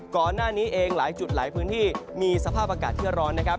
ก่อนหน้านี้เองหลายจุดหลายพื้นที่มีสภาพอากาศที่ร้อนนะครับ